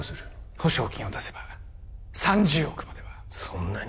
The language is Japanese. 保証金を出せば３０億まではそんなに？